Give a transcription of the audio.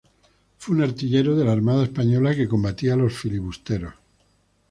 Fue un artillero de la Armada Española que combatía a los filibusteros.